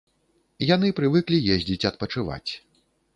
Яны прывыклі ездзіць адпачываць.